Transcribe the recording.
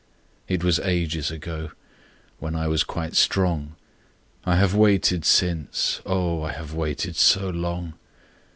It was ages ago, When I was quite strong: I have waited since,—O, I have waited so long!